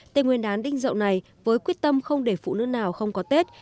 tên nguyên đán đinh dậu này với quyết tâm không để phụ nữ nào không có tết